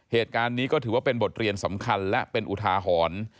เหตุการณ์นี้ก็ถือว่าเป็นบทเรียนสำคัญและเป็นอุทาหรณ์